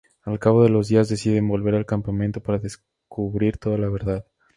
Al cabo de los días deciden volver al campamento para descubrir toda la verdad.